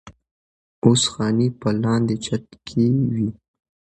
اودس خانې پۀ لاندې چت کښې وې